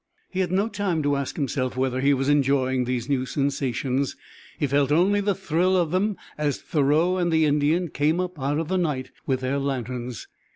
He had no time to ask himself whether he was enjoying these new sensations; he felt only the thrill of them as Thoreau and the Indian came up out of the night with their lanterns.